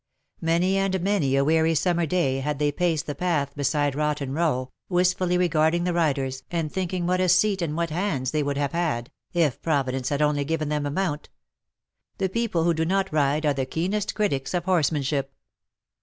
Many and many a weary summer day had they paced the path beside Rotten Kow, wistfully regarding the riders, and thinking what a seat and what hands they would have had, if Providence had only given them a mount. The people who do not ride are the keenest critics of horsemanship.